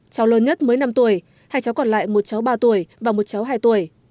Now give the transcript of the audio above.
cháu lớn nhất mới năm tuổi hai cháu còn lại một cháu ba tuổi và một cháu hai tuổi